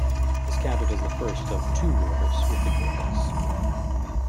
This counted as the first of two wars with the Gurkhas.